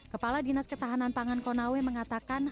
kepala dinas ketahanan pangan konawe mengatakan